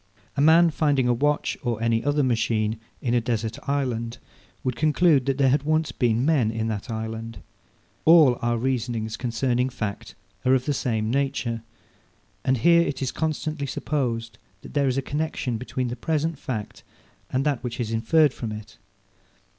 A man finding a watch or any other machine in a desert island, would conclude that there had once been men in that island. All our reasonings concerning fact are of the same nature. And here it is constantly supposed that there is a connexion between the present fact and that which is inferred from it.